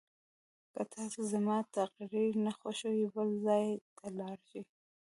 که تاسو زما تقریر نه خوښوئ بل ځای ته لاړ شئ.